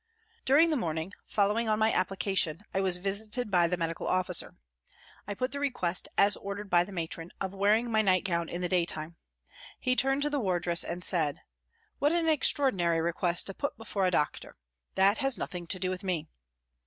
* During the morning, following on my " applica tion," I was visited by the medical officer. I put the request, as ordered by the Matron, of wearing my nightgown in the day time. He turned to the wardress and said, " What an extraordinary request to put before a doctor. That has nothing to do with me."